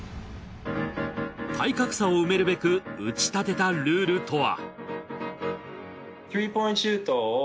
体格差を埋めるべく打ち立てたルールとは？